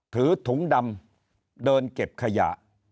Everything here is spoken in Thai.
ถือถุงดำเดินเก็บขยะ